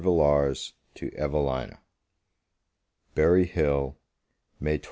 VILLARS TO EVELINA Berry Hill, May 21.